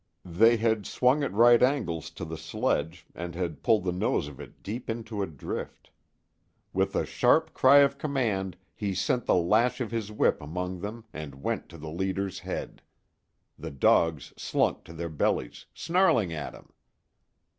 They had swung at right angles to the sledge and had pulled the nose of it deep into a drift. With a sharp cry of command he sent the lash of his whip among them and went to the leader's head. The dogs slunk to their bellies, snarling at him.